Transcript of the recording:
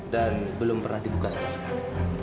dan belum pernah dibuka sama sekali